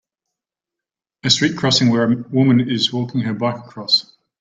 a street crossing where a woman is walking her bike across